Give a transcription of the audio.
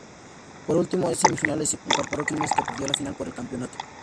Por último, en semifinales se incorporó Quilmes, que perdió la final por el campeonato.